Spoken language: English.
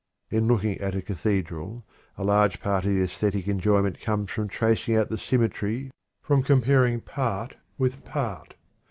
In looking at a cathedral, a large part of the æsthetic enjoyment comes from tracing out the symmetry, from comparing part with part.